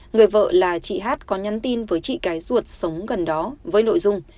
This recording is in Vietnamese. người vợ là chị hát có nhắn tin với chị cái ruột sống gần đó với nội dung